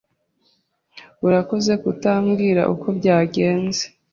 Urakoze kutabwira uko byagenze.